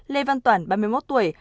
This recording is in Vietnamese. lê văn toản ba mươi một tuổi